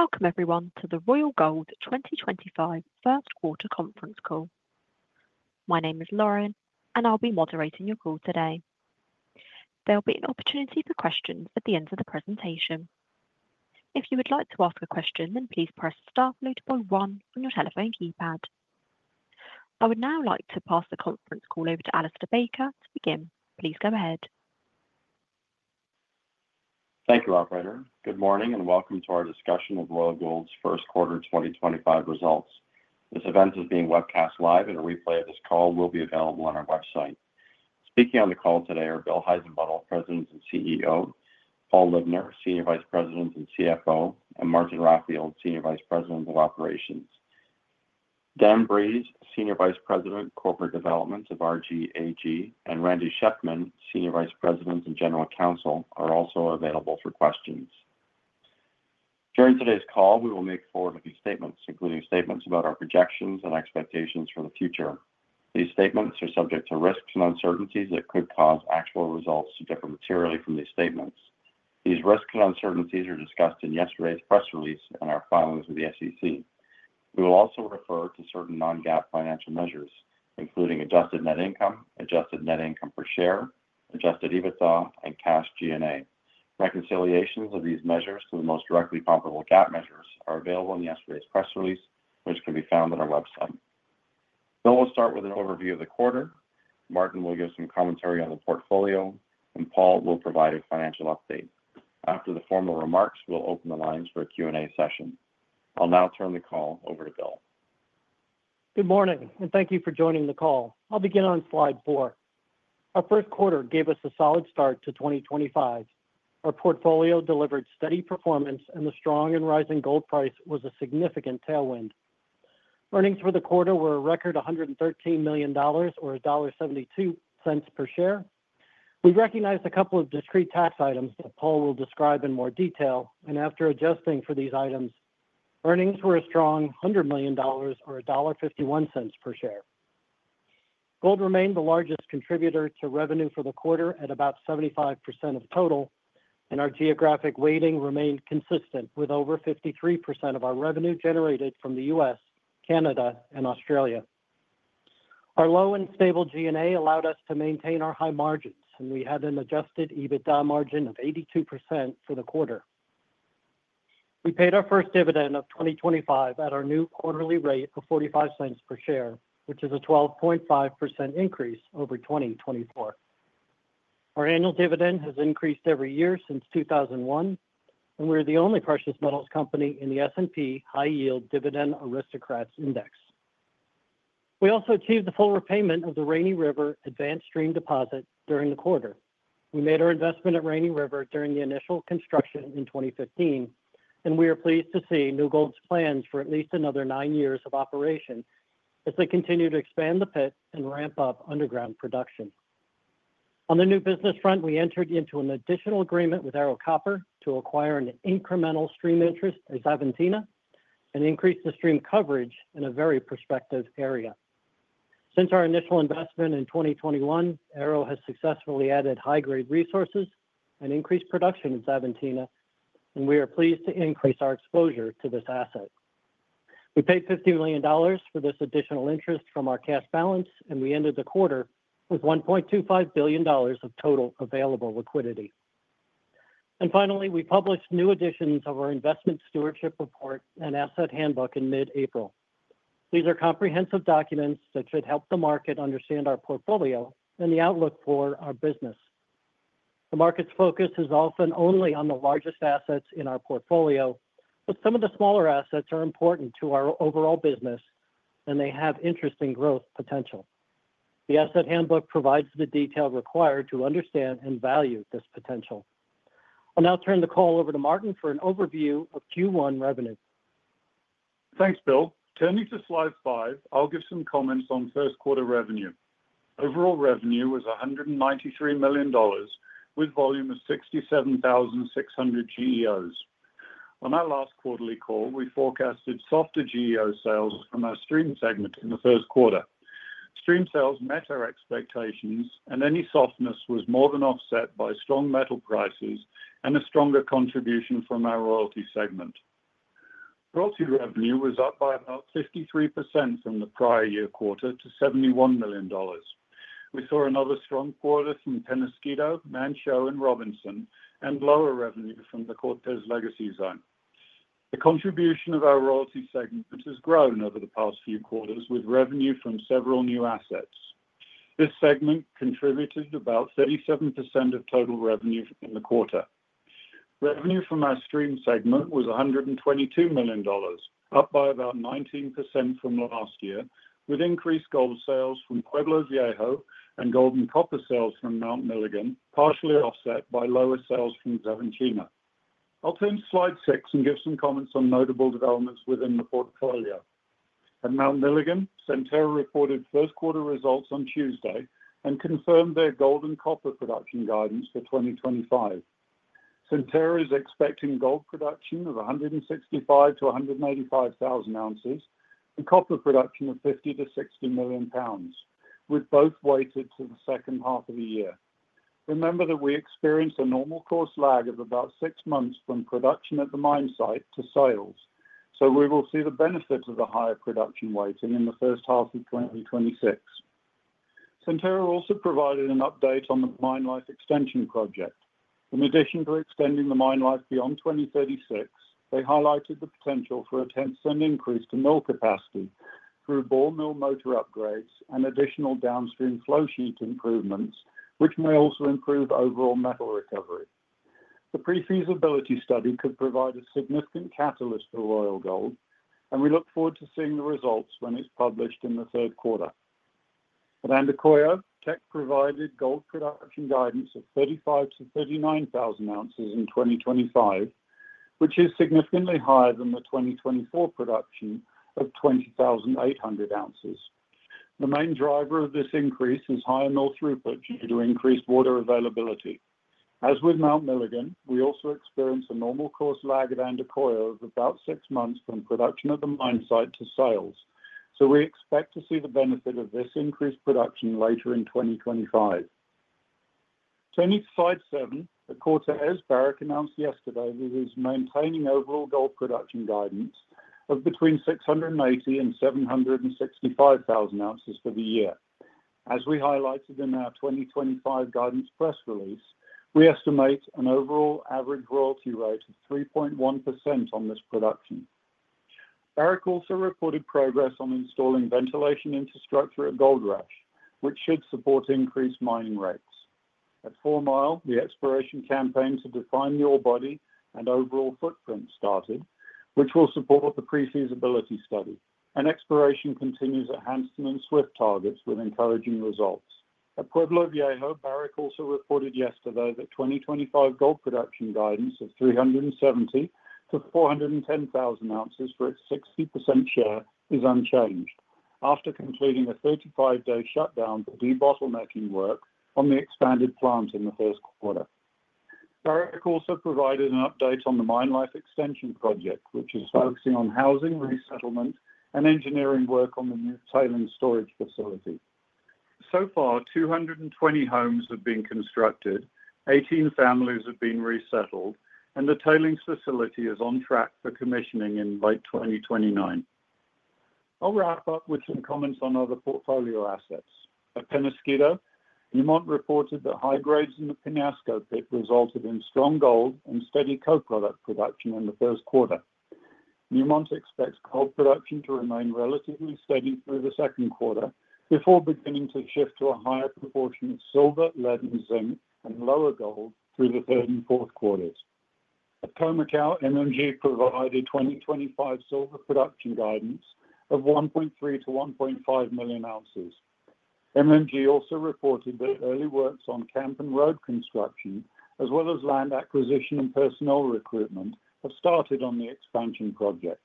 Welcome, everyone, to the Royal Gold 2025 First Quarter Conference Call. My name is Lauren, and I'll be moderating your call today. There'll be an opportunity for questions at the end of the presentation. If you would like to ask a question, then please press star one on your telephone keypad. I would now like to pass the conference call over to Alistair Baker to begin. Please go ahead. Thank you, Operator. Good morning and welcome to our discussion of Royal Gold's First Quarter 2025 results. This event is being webcast live, and a replay of this call will be available on our website. Speaking on the call today are Bill Heissenbuttel, President and CEO, Paul Libner, Senior Vice President and CFO, and Martin Raffield, Senior Vice President of Operations. Dan Breeze, Senior Vice President, Corporate Development of RGAG, and Randy Shefman, Senior Vice President and General Counsel, are also available for questions. During today's call, we will make forward-looking statements, including statements about our projections and expectations for the future. These statements are subject to risks and uncertainties that could cause actual results to differ materially from these statements. These risks and uncertainties are discussed in yesterday's press release and are filings with the SEC. We will also refer to certain non-GAAP financial measures, including adjusted net income, adjusted net income per share, adjusted EBITDA, and cash G&A. Reconciliations of these measures to the most directly comparable GAAP measures are available in yesterday's press release, which can be found on our website. Bill will start with an overview of the quarter. Martin will give some commentary on the portfolio, and Paul will provide a financial update. After the formal remarks, we'll open the lines for a Q&A session. I'll now turn the call over to Bill. Good morning, and thank you for joining the call. I'll begin on slide four. Our first quarter gave us a solid start to 2025. Our portfolio delivered steady performance, and the strong and rising gold price was a significant tailwind. Earnings for the quarter were a record $113 million, or $1.72 per share. We recognized a couple of discrete tax items that Paul will describe in more detail, and after adjusting for these items, earnings were a strong $100 million, or $1.51 per share. Gold remained the largest contributor to revenue for the quarter at about 75% of total, and our geographic weighting remained consistent with over 53% of our revenue generated from the U.S., Canada, and Australia. Our low and stable G&A allowed us to maintain our high margins, and we had an adjusted EBITDA margin of 82% for the quarter. We paid our first dividend of 2025 at our new quarterly rate of $0.45 per share, which is a 12.5% increase over 2024. Our annual dividend has increased every year since 2001, and we're the only precious metals company in the S&P High Yield Dividend Aristocrats Index. We also achieved the full repayment of the Rainy River Advance Stream Deposit during the quarter. We made our investment at Rainy River during the initial construction in 2015, and we are pleased to see New Gold's plans for at least another nine years of operation as they continue to expand the pit and ramp up underground production. On the new business front, we entered into an additional agreement with Ero Copper to acquire an incremental stream interest at Xavantina and increase the stream coverage in a very prospective area. Since our initial investment in 2021, Ero Copper has successfully added high-grade resources and increased production at Xavantina, and we are pleased to increase our exposure to this asset. We paid $50 million for this additional interest from our cash balance, and we ended the quarter with $1.25 billion of total available liquidity. And finally, we published new editions of our investment stewardship report and asset handbook in mid-April. These are comprehensive documents that should help the market understand our portfolio and the outlook for our business. The market's focus is often only on the largest assets in our portfolio, but some of the smaller assets are important to our overall business, and they have interesting growth potential. The asset handbook provides the detail required to understand and value this potential. I'll now turn the call over to Martin for an overview of Q1 revenue. Thanks, Bill. Turning to slide five, I'll give some comments on first quarter revenue. Overall revenue was $193 million, with a volume of 67,600 GEOs. On our last quarterly call, we forecasted softer GEO sales from our stream segment in the first quarter. Stream sales met our expectations, and any softness was more than offset by strong metal prices and a stronger contribution from our royalty segment. Royalty revenue was up by about 53% from the prior year quarter to $71 million. We saw another strong quarter from Peñasquito, Manh Choh, and Robinson, and lower revenue from the Cortez Legacy Zone. The contribution of our royalty segment has grown over the past few quarters, with revenue from several new assets. This segment contributed about 37% of total revenue in the quarter. Revenue from our stream segment was $122 million, up by about 19% from last year, with increased gold sales from Pueblo Viejo and gold and copper sales from Mount Milligan, partially offset by lower sales from Xavantina. I'll turn to slide six and give some comments on notable developments within the portfolio. At Mount Milligan, Centerra reported first quarter results on Tuesday and confirmed their gold and copper production guidance for 2025. Centerra is expecting gold production of 165,000-185,000 ounces and copper production of 50,000-60,000 pounds, with both weighted to the second half of the year. Remember that we experienced a normal course lag of about six months from production at the mine site to sales, so we will see the benefit of the higher production weighting in the first half of 2026. Centerra also provided an update on the Mine Life Extension Project. In addition to extending the mine life beyond 2036, they highlighted the potential for a 10% increase to mill capacity through ball mill motor upgrades and additional downstream flow sheet improvements, which may also improve overall metal recovery. The pre-feasibility study could provide a significant catalyst for Royal Gold, and we look forward to seeing the results when it's published in the third quarter. At Andacollo, Teck provided gold production guidance of 35,000-39,000 ounces in 2025, which is significantly higher than the 2024 production of 20,800 ounces. The main driver of this increase is higher mill throughput due to increased water availability. As with Mount Milligan, we also experienced a normal course lag at Andacollo of about six months from production at the mine site to sales, so we expect to see the benefit of this increased production later in 2025. Turning to slide seven, the Cortez, Barrick announced yesterday that it is maintaining overall gold production guidance of between 680,000 and 765,000 ounces for the year. As we highlighted in our 2025 guidance press release, we estimate an overall average royalty rate of 3.1% on this production. Barrick also reported progress on installing ventilation infrastructure at Goldrush, which should support increased mining rates. At Fourmile, the exploration campaign to define the ore body and overall footprint started, which will support the pre-feasibility study. And exploration continues at Hanson and Swift targets with encouraging results. At Pueblo Viejo, Barrick also reported yesterday that 2025 gold production guidance of 370,000 to 410,000 ounces for its 60% share is unchanged after completing a 35-day shutdown for debottlenecking work on the expanded plant in the first quarter. Barrick also provided an update on the MineLife Extension Project, which is focusing on housing resettlement and engineering work on the new tailings storage facility. So far, 220 homes have been constructed, 18 families have been resettled, and the tailings facility is on track for commissioning in late 2029. I'll wrap up with some comments on other portfolio assets. At Peñasquito, Newmont reported that high grades in the Peñasco Pit resulted in strong gold and steady co-product production in the first quarter. Newmont expects gold production to remain relatively steady through the second quarter before beginning to shift to a higher proportion of silver, lead, and zinc, and lower gold through the third and fourth quarters. At Khoemacau, MMG provided 2025 silver production guidance of 1.3-1.5 million ounces. MMG also reported that early works on camp and road construction, as well as land acquisition and personnel recruitment, have started on the expansion project.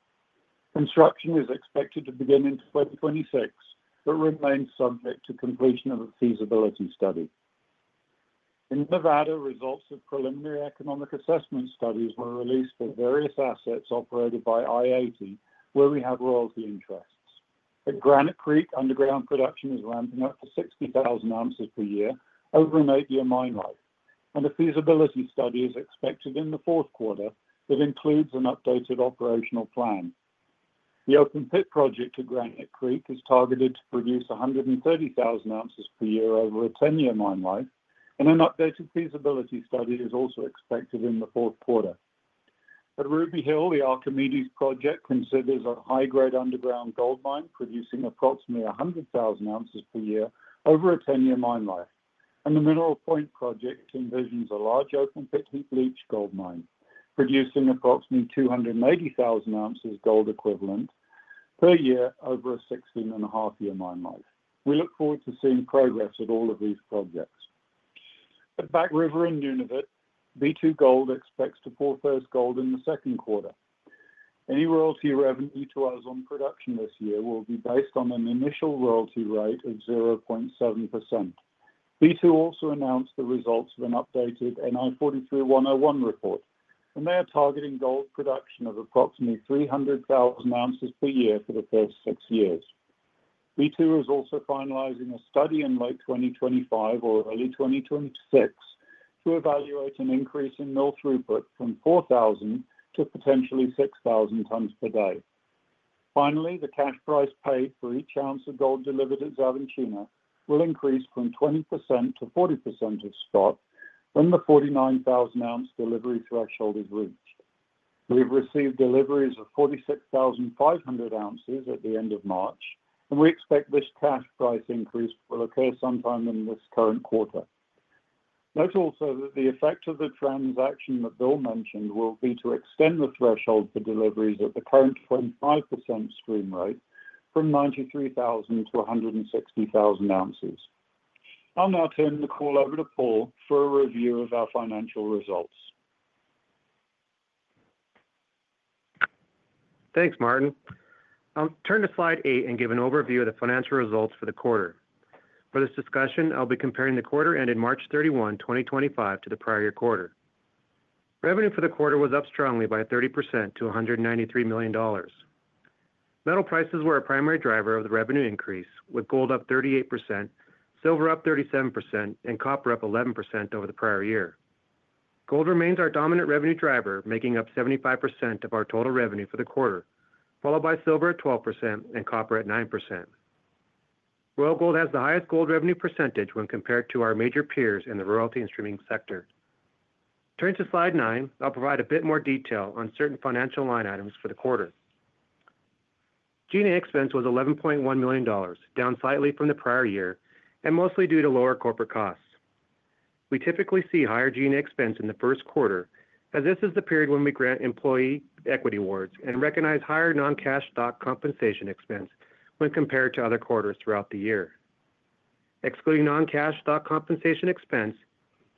Construction is expected to begin in 2026 but remains subject to completion of a feasibility study. In Nevada, results of preliminary economic assessment studies were released for various assets operated by i-80, where we have royalty interests. At Granite Creek, underground production is ramping up to 60,000 ounces per year over an eight-year mine life, and a feasibility study is expected in the fourth quarter that includes an updated operational plan. The open pit project at Granite Creek is targeted to produce 130,000 ounces per year over a 10-year mine life, and an updated feasibility study is also expected in the fourth quarter. At Ruby Hill, the Archimedes project considers a high-grade underground gold mine producing approximately 100,000 ounces per year over a 10-year mine life, and the Mineral Point project envisions a large open pit heap leach gold mine producing approximately 280,000 ounces gold equivalent per year over a 16-and-a-half-year mine life. We look forward to seeing progress at all of these projects. At Back River and Nunavut, B2Gold expects to pour first gold in the second quarter. Any royalty revenue to us on production this year will be based on an initial royalty rate of 0.7%. B2Gold also announced the results of an updated NI 43-101 report, and they are targeting gold production of approximately 300,000 ounces per year for the first six years. B2Gold is also finalizing a study in late 2025 or early 2026 to evaluate an increase in mill throughput from 4,000 to potentially 6,000 tons per day. Finally, the cash price paid for each ounce of gold delivered at Xavantina will increase from 20% to 40% of spot when the 49,000-ounce delivery threshold is reached. We have received deliveries of 46,500 ounces at the end of March, and we expect this cash price increase will occur sometime in this current quarter. Note also that the effect of the transaction that Bill mentioned will be to extend the threshold for deliveries at the current 25% stream rate from 93,000 to 160,000 ounces. I'll now turn the call over to Paul for a review of our financial results. Thanks, Martin. I'll turn to slide eight and give an overview of the financial results for the quarter. For this discussion, I'll be comparing the quarter ended March 31, 2025, to the prior quarter. Revenue for the quarter was up strongly by 30% to $193 million. Metal prices were a primary driver of the revenue increase, with gold up 38%, silver up 37%, and copper up 11% over the prior year. Gold remains our dominant revenue driver, making up 75% of our total revenue for the quarter, followed by silver at 12% and copper at 9%. Royal Gold has the highest gold revenue percentage when compared to our major peers in the royalty and streaming sector. Turning to slide nine, I'll provide a bit more detail on certain financial line items for the quarter. G&A expense was $11.1 million, down slightly from the prior year, and mostly due to lower corporate costs. We typically see higher G&A expense in the first quarter, as this is the period when we grant employee equity awards and recognize higher non-cash stock compensation expense when compared to other quarters throughout the year. Excluding non-cash stock compensation expense,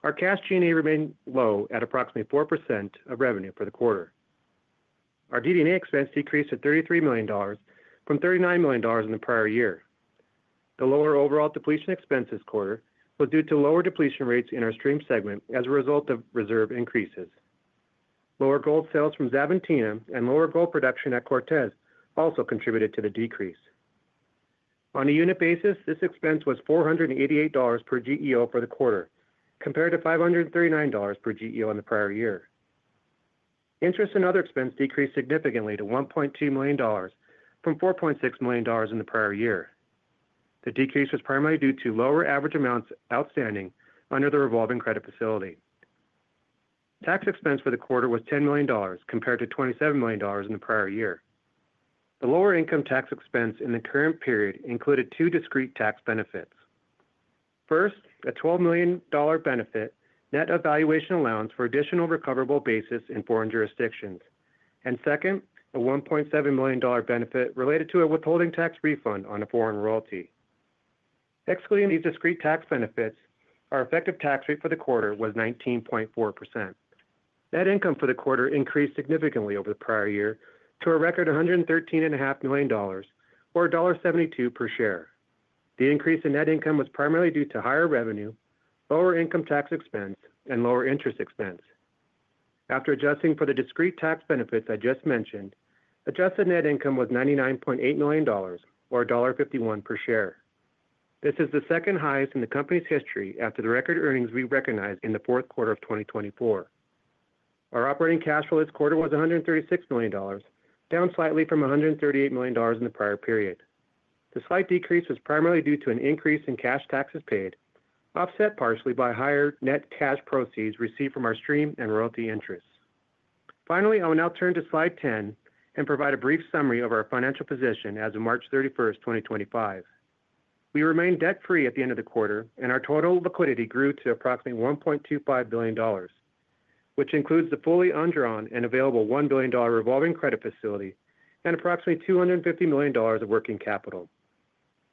our cash G&A remained low at approximately 4% of revenue for the quarter. Our DD&A expense decreased to $33 million from $39 million in the prior year. The lower overall depletion expense this quarter was due to lower depletion rates in our stream segment as a result of reserve increases. Lower gold sales from Xavantina and lower gold production at Cortez also contributed to the decrease. On a unit basis, this expense was $488 per GEO for the quarter, compared to $539 per GEO in the prior year. Interest and other expense decreased significantly to $1.2 million from $4.6 million in the prior year. The decrease was primarily due to lower average amounts outstanding under the revolving credit facility. Tax expense for the quarter was $10 million, compared to $27 million in the prior year. The lower income tax expense in the current period included two discrete tax benefits. First, a $12 million benefit, net valuation allowance for additional recoverable basis in foreign jurisdictions, and second, a $1.7 million benefit related to a withholding tax refund on a foreign royalty. Excluding these discrete tax benefits, our effective tax rate for the quarter was 19.4%. Net income for the quarter increased significantly over the prior year to a record $113.5 million, or $1.72 per share. The increase in net income was primarily due to higher revenue, lower income tax expense, and lower interest expense. After adjusting for the discrete tax benefits I just mentioned, adjusted net income was $99.8 million, or $1.51 per share. This is the second highest in the company's history after the record earnings we recognized in the fourth quarter of 2024. Our operating cash flow this quarter was $136 million, down slightly from $138 million in the prior period. The slight decrease was primarily due to an increase in cash taxes paid, offset partially by higher net cash proceeds received from our stream and royalty interests. Finally, I will now turn to slide 10 and provide a brief summary of our financial position as of March 31, 2025. We remained debt-free at the end of the quarter, and our total liquidity grew to approximately $1.25 billion, which includes the fully undrawn and available $1 billion revolving credit facility and approximately $250 million of working capital.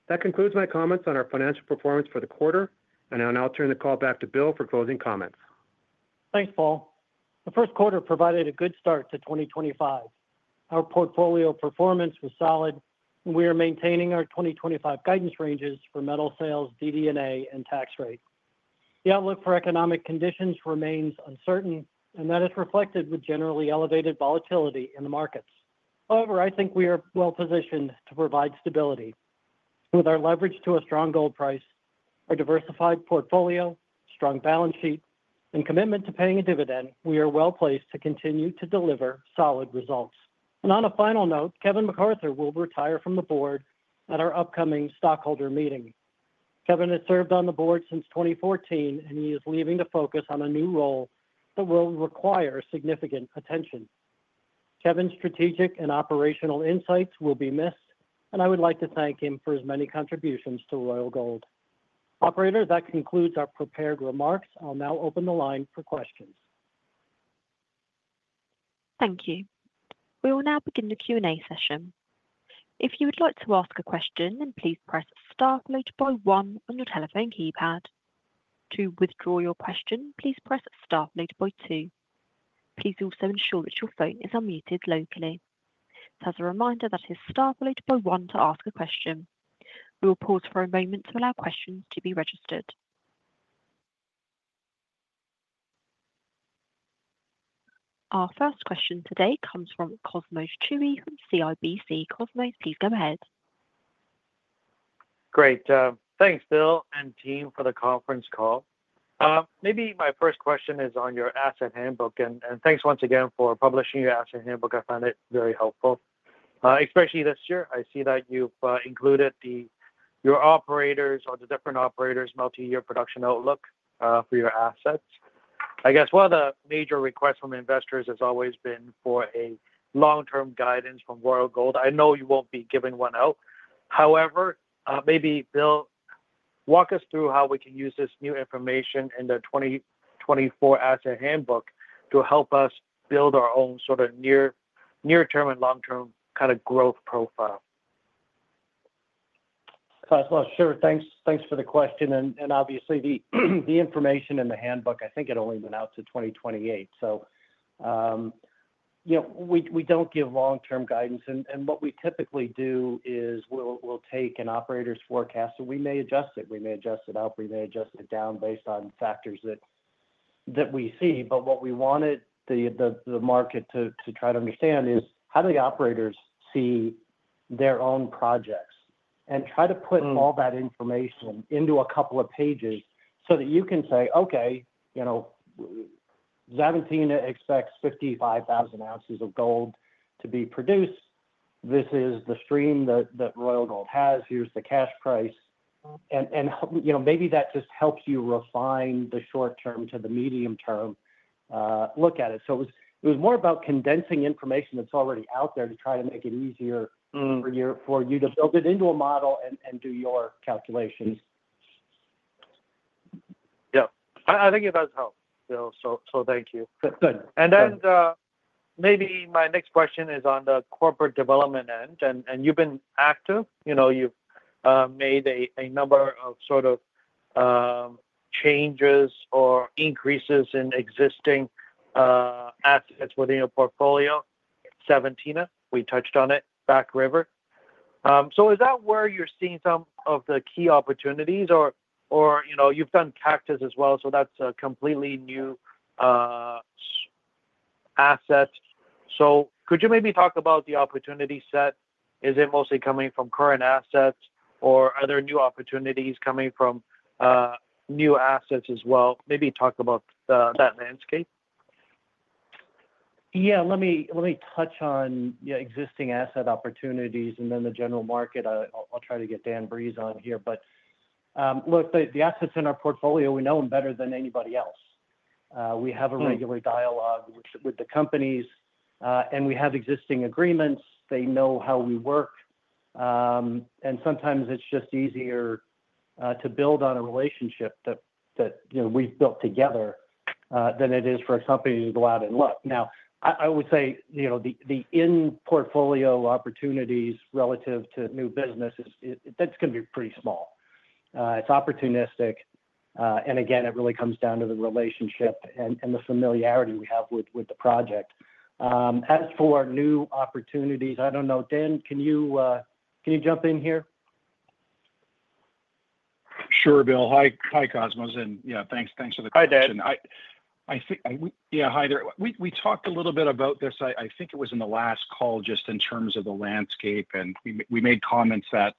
That concludes my comments on our financial performance for the quarter, and I'll now turn the call back to Bill for closing comments. Thanks, Paul. The first quarter provided a good start to 2025. Our portfolio performance was solid, and we are maintaining our 2025 guidance ranges for metal sales, DD&A, and tax rate. The outlook for economic conditions remains uncertain, and that is reflected with generally elevated volatility in the markets. However, I think we are well-positioned to provide stability. With our leverage to a strong gold price, our diversified portfolio, strong balance sheet, and commitment to paying a dividend, we are well-placed to continue to deliver solid results. And on a final note, Kevin McArthur will retire from the board at our upcoming stockholder meeting. Kevin has served on the board since 2014, and he is leaving to focus on a new role that will require significant attention. Kevin's strategic and operational insights will be missed, and I would like to thank him for his many contributions to Royal Gold. Operator, that concludes our prepared remarks. I'll now open the line for questions. Thank you. We will now begin the Q&A session. If you would like to ask a question, then please press star one on your telephone keypad. To withdraw your question, please press star two. Please also ensure that your phone is unmuted locally. That is a reminder that it is star one to ask a question. We will pause for a moment to allow questions to be registered. Our first question today comes from Cosmos Chiu from CIBC. Cosmos, please go ahead. Great. Thanks, Bill and team, for the conference call. Maybe my first question is on your asset handbook, and thanks once again for publishing your asset handbook. I find it very helpful, especially this year. I see that you've included your operators or the different operators' multi-year production outlook for your assets. I guess one of the major requests from investors has always been for a long-term guidance from Royal Gold. I know you won't be giving one out. However, maybe, Bill, walk us through how we can use this new information in the 2024 asset handbook to help us build our own sort of near-term and long-term kind of growth profile. Sure. Thanks for the question. And obviously, the information in the handbook, I think it only went out to 2028. So we don't give long-term guidance. And what we typically do is we'll take an operator's forecast, and we may adjust it. We may adjust it up. We may adjust it down based on factors that we see. But what we wanted the market to try to understand is how do the operators see their own projects and try to put all that information into a couple of pages so that you can say, "Okay, Xavantina expects 55,000 ounces of gold to be produced. This is the stream that Royal Gold has. Here's the cash price." And maybe that just helps you refine the short-term to the medium-term look at it. So it was more about condensing information that's already out there to try to make it easier for you to build it into a model and do your calculations. Yeah. I think it does help, Bill. So thank you. And then maybe my next question is on the corporate development end. And you've been active. You've made a number of sort of changes or increases in existing assets within your portfolio. Xavantina, we touched on it, Back River. So is that where you're seeing some of the key opportunities, or you've done Cactus as well, so that's a completely new asset? So could you maybe talk about the opportunity set? Is it mostly coming from current assets, or are there new opportunities coming from new assets as well? Maybe talk about that landscape. Yeah. Let me touch on existing asset opportunities and then the general market. I'll try to get Dan Breeze on here. But look, the assets in our portfolio, we know them better than anybody else. We have a regular dialogue with the companies, and we have existing agreements. They know how we work. And sometimes it's just easier to build on a relationship that we've built together than it is for a company to go out and look. Now, I would say the in-portfolio opportunities relative to new business, that's going to be pretty small. It's opportunistic. And again, it really comes down to the relationship and the familiarity we have with the project. As for new opportunities, I don't know. Dan, can you jump in here? Sure, Bill. Hi, Cosmos, and yeah, thanks for the question. Hi, Dan. Yeah, hi there. We talked a little bit about this. I think it was in the last call just in terms of the landscape, and we made comments that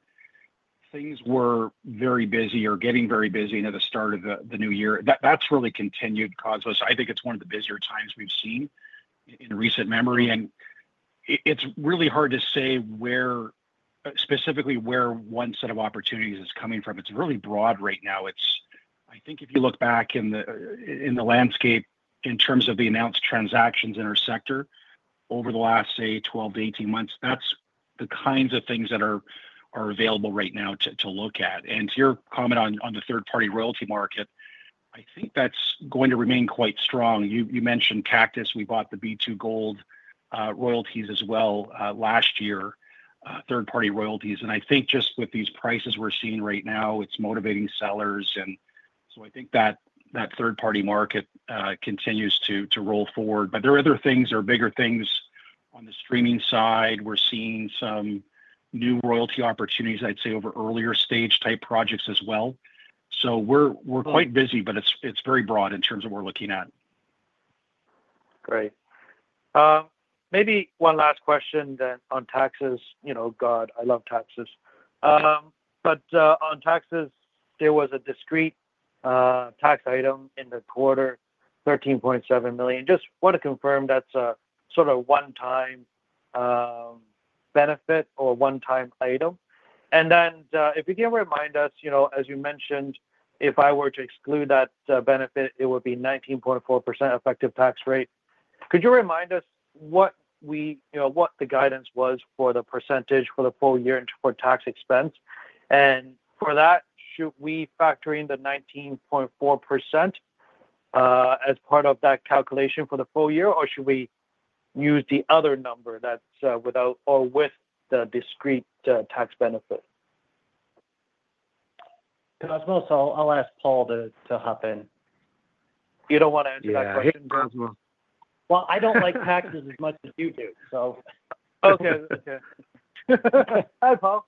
things were very busy or getting very busy into the start of the new year. That's really continued, Cosmos. I think it's one of the busier times we've seen in recent memory. And it's really hard to say specifically where one set of opportunities is coming from. It's really broad right now. I think if you look back in the landscape in terms of the announced transactions in our sector over the last, say, 12-18 months, that's the kinds of things that are available right now to look at. And to your comment on the third-party royalty market, I think that's going to remain quite strong. You mentioned Cactus. We bought the B2Gold royalties as well last year, third-party royalties, and I think just with these prices we're seeing right now, it's motivating sellers, and so I think that third-party market continues to roll forward, but there are other things, there are bigger things on the streaming side. We're seeing some new royalty opportunities, I'd say, over earlier-stage type projects as well, so we're quite busy, but it's very broad in terms of what we're looking at. Great. Maybe one last question then on taxes. God, I love taxes, but on taxes, there was a discrete tax item in the quarter, $13.7 million. Just want to confirm that's a sort of one-time benefit or one-time item, and then if you can remind us, as you mentioned, if I were to exclude that benefit, it would be 19.4% effective tax rate. Could you remind us what the guidance was for the percentage for the full year for tax expense, and for that, should we factor in the 19.4% as part of that calculation for the full year, or should we use the other number that's with the discrete tax benefit? Cosmos, I'll ask Paul to hop in. You don't want to answer that question, Bill? Hey, Cosmos. I don't like taxes as much as you do, so. Okay. Hi, Paul.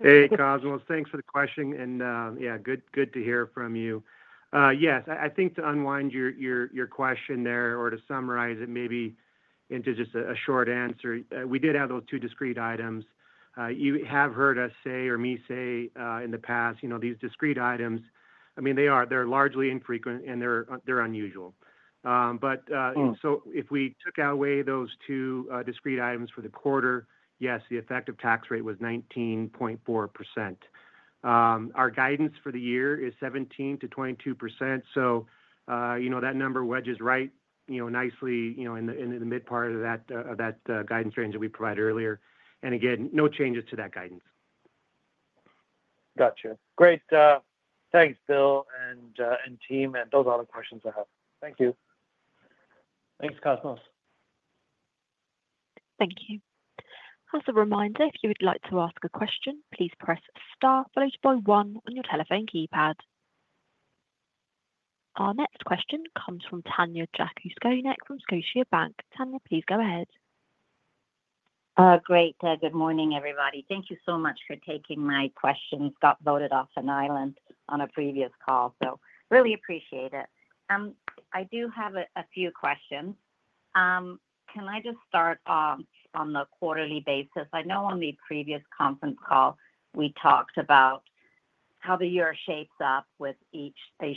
Hey, Cosmos. Thanks for the question, and yeah, good to hear from you. Yes, I think to unwind your question there or to summarize it maybe into just a short answer, we did have those two discrete items. You have heard us say or me say in the past, these discrete items, I mean, they're largely infrequent, and they're unusual, but so if we took away those two discrete items for the quarter, yes, the effective tax rate was 19.4%. Our guidance for the year is 17%-22%. So that number wedges right nicely in the mid part of that guidance range that we provided earlier, and again, no changes to that guidance. Gotcha. Great. Thanks, Bill and team, and those are all the questions I have. Thank you. Thanks, Cosmos. Thank you. As a reminder, if you would like to ask a question, please press star one on your telephone keypad. Our next question comes from Tanya Jakusconek from Scotiabank. Tanya, please go ahead. Great. Good morning, everybody. Thank you so much for taking my question. Got voted off an island on a previous call, so really appreciate it. I do have a few questions. Can I just start off on the quarterly basis? I know on the previous conference call, we talked about how the year shapes up with a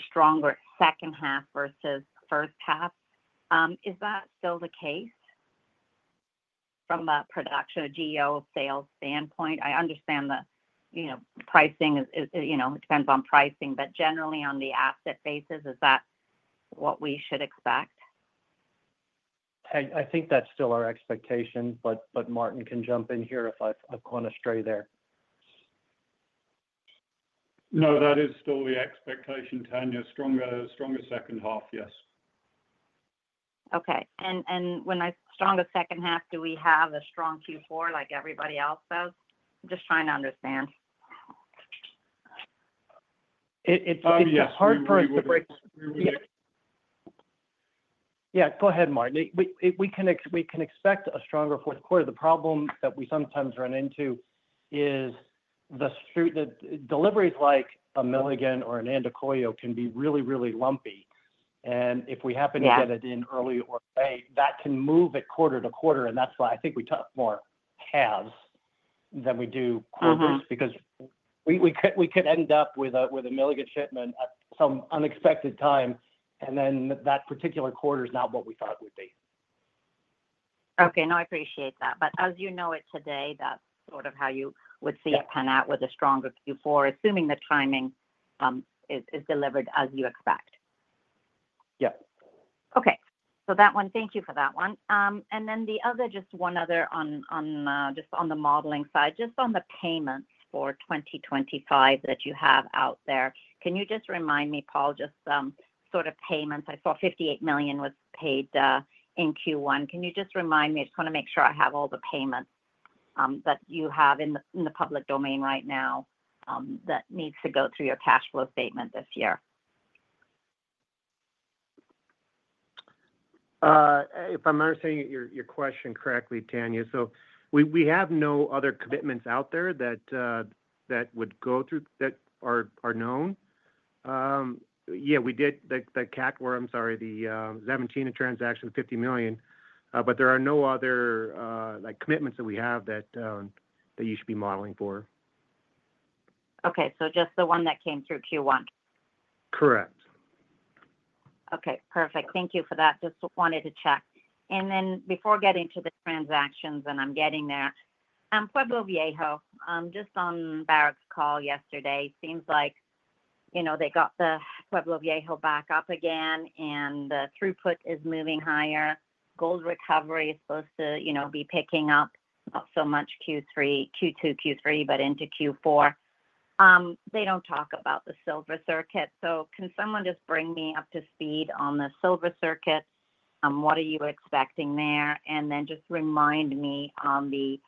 stronger second half versus first half. Is that still the case from a production or GEO sales standpoint? I understand that it depends on pricing, but generally on the asset basis, is that what we should expect? I think that's still our expectation. But Martin can jump in here if I've gone astray there. No, that is still the expectation, Tanya. Stronger second half, yes. Okay. And when I say stronger second half, do we have a strong Q4 like everybody else does? I'm just trying to understand. It's hard for us to break. Yeah. Go ahead, Martin. We can expect a stronger fourth quarter. The problem that we sometimes run into is the deliveries like a Milligan or an Andacollo can be really, really lumpy. And if we happen to get it in early or late, that can move a quarter to quarter. And that's why I think we talk more halves than we do quarters because we could end up with a Milligan shipment at some unexpected time, and then that particular quarter is not what we thought it would be. Okay. No, I appreciate that. But as you know it today, that's sort of how you would see it pan out with a stronger Q4, assuming the timing is delivered as you expect. Yeah. Okay. So thank you for that one. And then just one other on just the modeling side, just on the payments for 2025 that you have out there. Can you just remind me, Paul, just sort of payments? I saw $58 million was paid in Q1. Can you just remind me? I just want to make sure I have all the payments that you have in the public domain right now that needs to go through your cash flow statement this year. If I'm understanding your question correctly, Tanya, so we have no other commitments out there that would go through that are known. Yeah, we did the Cactus or, I'm sorry, the Xavantina transaction of $50 million. But there are no other commitments that we have that you should be modeling for. Okay, so just the one that came through Q1. Correct. Okay. Perfect. Thank you for that. Just wanted to check. And then before getting to the transactions, and I'm getting there, Pueblo Viejo, just on Barrick's call yesterday, seems like they got the Pueblo Viejo back up again, and the throughput is moving higher. Gold recovery is supposed to be picking up not so much Q2, Q3, but into Q4. They don't talk about the silver circuit. So can someone just bring me up to speed on the silver circuit? What are you expecting there? And then just remind me on the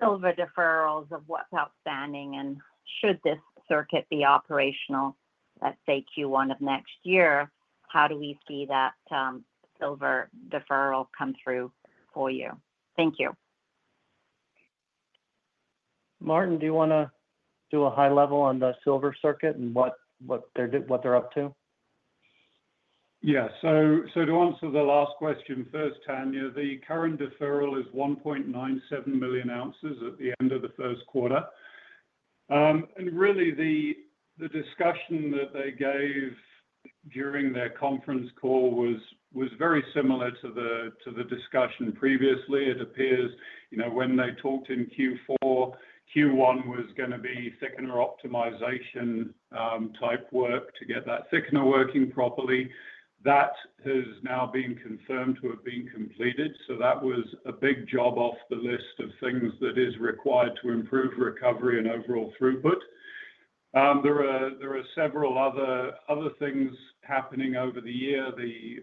silver deferrals of what's outstanding. And should this circuit be operational, let's say Q1 of next year, how do we see that silver deferral come through for you? Thank you. Martin, do you want to do a high level on the silver circuit and what they're up to? Yeah, so to answer the last question first, Tanya, the current deferral is 1.97 million ounces at the end of the first quarter, and really, the discussion that they gave during their conference call was very similar to the discussion previously. It appears when they talked in Q4, Q1 was going to be thickener optimization type work to get that thickener working properly. That has now been confirmed to have been completed, so that was a big job off the list of things that is required to improve recovery and overall throughput. There are several other things happening over the year: the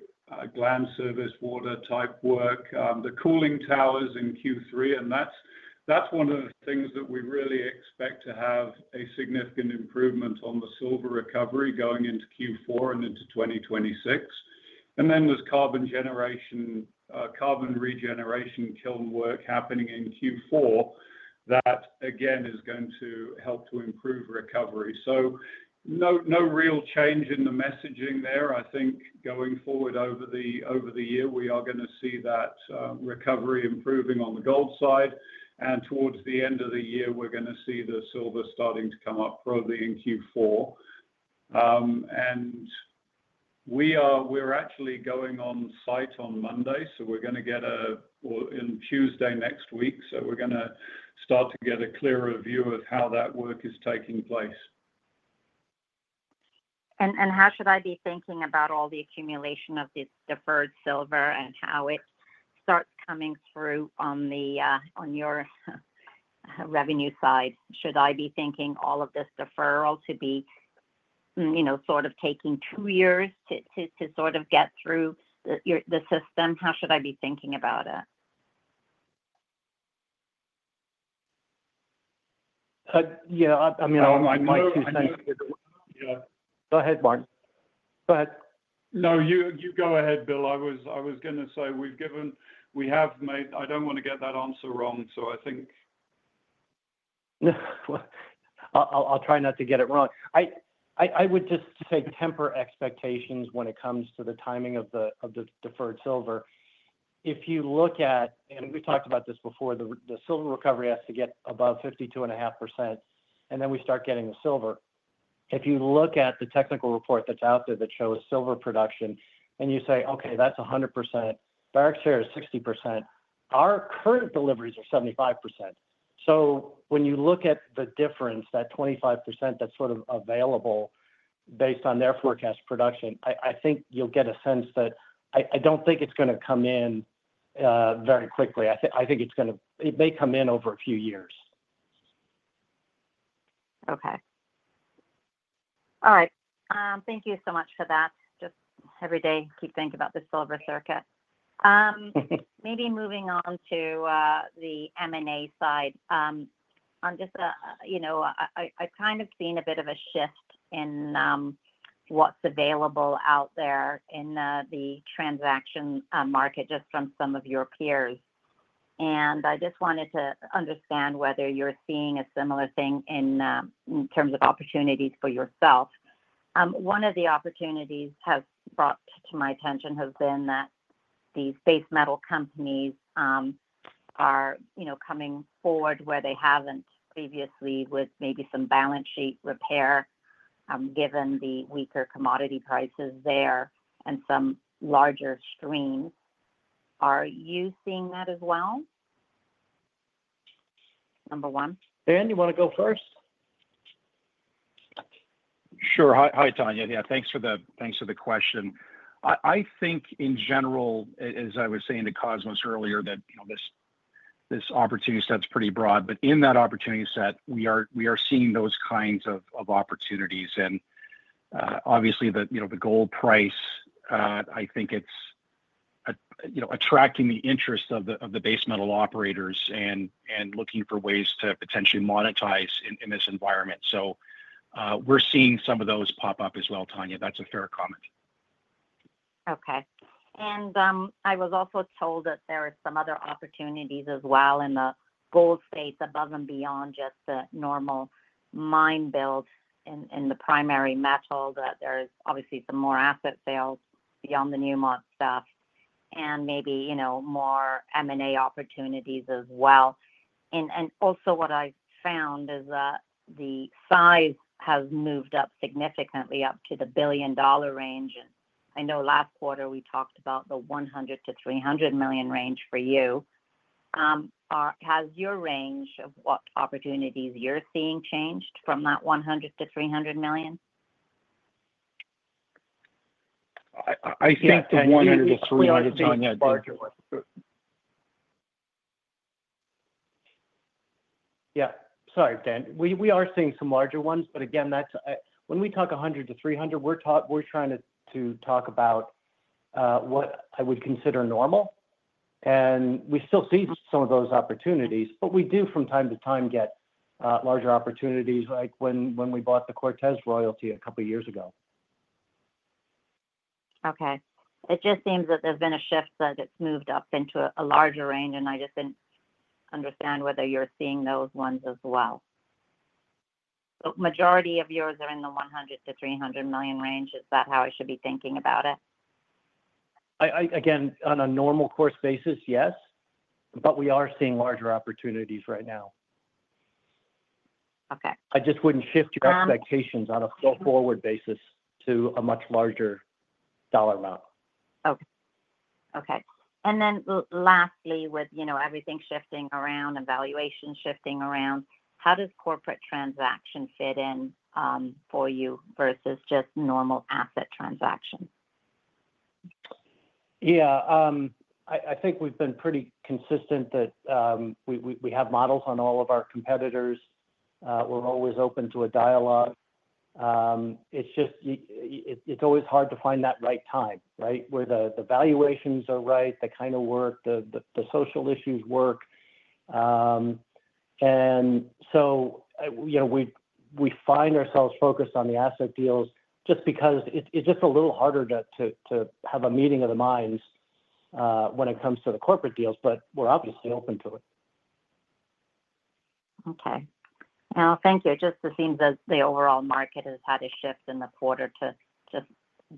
gland service water type work, the cooling towers in Q3, and that's one of the things that we really expect to have a significant improvement on the silver recovery going into Q4 and into 2026. There’s carbon regeneration kiln work happening in Q4 that, again, is going to help to improve recovery. No real change in the messaging there. I think going forward over the year, we are going to see that recovery improving on the gold side. Towards the end of the year, we’re going to see the silver starting to come up probably in Q4. We’re actually going on site on Monday, so we’re going to get a, well, in Tuesday next week. We’re going to start to get a clearer view of how that work is taking place. How should I be thinking about all the accumulation of this deferred silver and how it starts coming through on your revenue side? Should I be thinking all of this deferral to be sort of taking two years to sort of get through the system? How should I be thinking about it? Yeah. I mean, I might just think. Go ahead, Martin. Go ahead. No, you go ahead, Bill. I was going to say we have made - I don't want to get that answer wrong, so I think. I'll try not to get it wrong. I would just say temper expectations when it comes to the timing of the deferred silver. If you look at, and we talked about this before, the silver recovery has to get above 52.5%, and then we start getting the silver. If you look at the technical report that's out there that shows silver production, and you say, "Okay, that's 100%, Barrick's share is 60%," our current deliveries are 75%. So when you look at the difference, that 25% that's sort of available based on their forecast production, I think you'll get a sense that I don't think it's going to come in very quickly. I think it may come in over a few years. Okay. All right. Thank you so much for that. Just every day, keep thinking about the silver circuit. Maybe moving on to the M&A side. I'm just. I've kind of seen a bit of a shift in what's available out there in the transaction market just from some of your peers. And I just wanted to understand whether you're seeing a similar thing in terms of opportunities for yourself. One of the opportunities has brought to my attention has been that these base metal companies are coming forward where they haven't previously with maybe some balance sheet repair given the weaker commodity prices there and some larger streams. Are you seeing that as well, number one? Dan, you want to go first? Sure. Hi, Tanya. Yeah, thanks for the question. I think, in general, as I was saying to Cosmos earlier, that this opportunity set's pretty broad. But in that opportunity set, we are seeing those kinds of opportunities. And obviously, the gold price, I think it's attracting the interest of the base metal operators and looking for ways to potentially monetize in this environment. So we're seeing some of those pop up as well, Tanya. That's a fair comment. Okay. And I was also told that there are some other opportunities as well in the gold states above and beyond just the normal mine build in the primary metal, that there's obviously some more asset sales beyond the Newmont stuff and maybe more M&A opportunities as well. And also, what I found is that the size has moved up significantly up to the billion-dollar range. And I know last quarter, we talked about the $100 million-$300 million range for you. Has your range of what opportunities you're seeing changed from that $100 million- $300 million? I think the $100 million-$300 million. Yeah, the larger ones. Yeah. Sorry, Dan. We are seeing some larger ones. But again, when we talk $100 million-$300 million, we're trying to talk about what I would consider normal. And we still see some of those opportunities, but we do, from time to time, get larger opportunities like when we bought the Cortez Royalty a couple of years ago. Okay. It just seems that there's been a shift that it's moved up into a larger range, and I just didn't understand whether you're seeing those ones as well. But the majority of yours are in the $100 million-$300 million range. Is that how I should be thinking about it? Again, on a normal course basis, yes. But we are seeing larger opportunities right now. I just wouldn't shift your expectations on a forward basis to a much larger dollar amount. And then lastly, with everything shifting around and valuation shifting around, how does corporate transaction fit in for you versus just normal asset transaction? Yeah. I think we've been pretty consistent that we have models on all of our competitors. We're always open to a dialogue. It's always hard to find that right time, right, where the valuations are right, the kind of work, the social issues work. And so we find ourselves focused on the asset deals just because it's just a little harder to have a meeting of the minds when it comes to the corporate deals, but we're obviously open to it. Okay. Well, thank you. It just seems that the overall market has had a shift in the quarter to just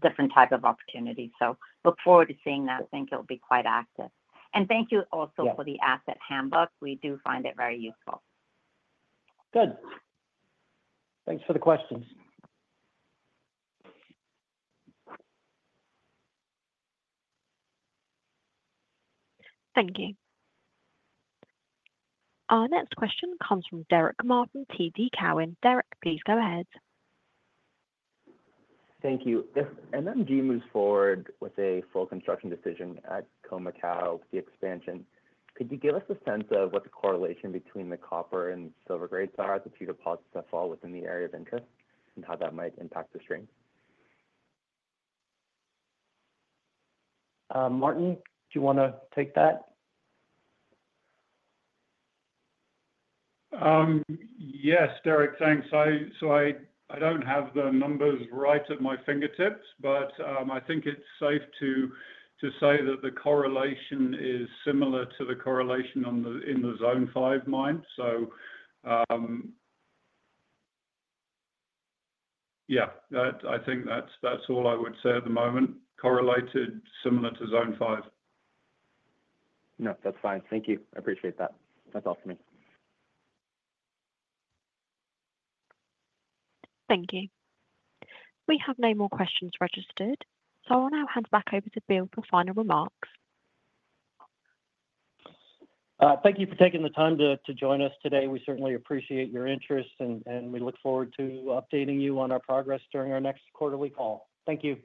different type of opportunities. So look forward to seeing that. I think it'll be quite active. And thank you also for the asset handbook. We do find it very useful. Good. Thanks for the questions. Thank you. Our next question comes from Derick Ma, TD Cowen. Derick, please go ahead. Thank you. If MMG moves forward with a full construction decision at Khoemacau with the expansion, could you give us a sense of what the correlation between the copper and silver grades are that the deposits that fall within the area of interest and how that might impact the stream? Martin, do you want to take that? Yes, Derick, thanks. So I don't have the numbers right at my fingertips, but I think it's safe to say that the correlation is similar to the correlation in the Zone 5 mine. So yeah, I think that's all I would say at the moment, correlated similar to Zone 5. No, that's fine. Thank you. I appreciate that. That's all for me. Thank you. We have no more questions registered. So I'll now hand back over to Bill for final remarks. Thank you for taking the time to join us today. We certainly appreciate your interest, and we look forward to updating you on our progress during our next quarterly call. Thank you.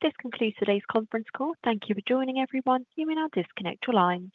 This concludes today's conference call. Thank you for joining, everyone. You may now disconnect your line.